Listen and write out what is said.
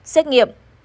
hai xét nghiệm